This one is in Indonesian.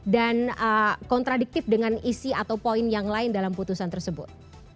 dan kontradiktif dengan isi atau poin yang lain dalam putusan tersebut